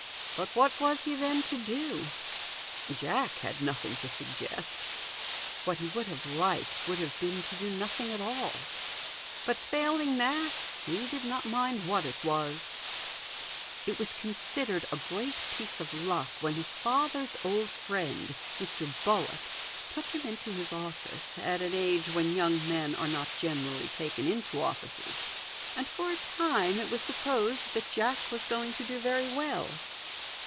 But what was he, then, to do ? Jack had nothing to suggest : what he would have liked would have been to do nothing at all, but, failing that, he did not mind what it was. It 278 THE GOLDEN RULE. was considered a great piece of luck when his father's old friend, Mr. Bullock, took him into his office at an age when young men are not generally taken into offices, and for a time it was supposed that Jack was going to do very well.